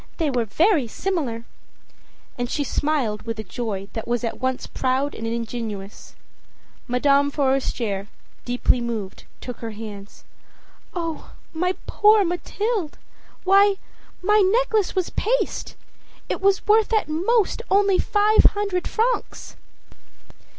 They were very similar.â And she smiled with a joy that was at once proud and ingenuous. Madame Forestier, deeply moved, took her hands. âOh, my poor Mathilde! Why, my necklace was paste! It was worth at most only five hundred francs!